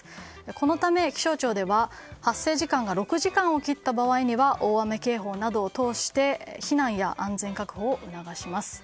このため、気象庁では発生時間が６時間を切った場合には大雨警報などを通して避難や安全確保を促します。